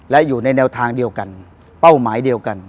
และอยู่ในแนวทางเดียวกันเป้าหมายเดียวกัน